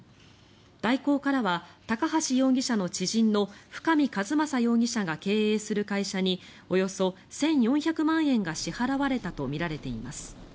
大広からは高橋容疑者の知人の深見和政容疑者が経営する会社におよそ１４００万円が支払われたとみられています。